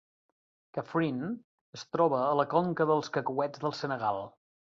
Kaffrine es troba a la conca dels cacauets del Senegal.